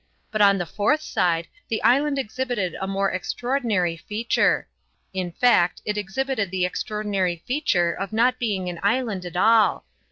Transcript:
But on the fourth side the island exhibited a more extraordinary feature. In fact, it exhibited the extraordinary feature of not being an island at all.